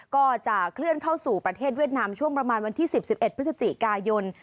ก็จะเคลื่อนเข้าสู่ประเทศเวียดนามช่วงประมาณวันที่๑๐๑๑พฤศจิกายน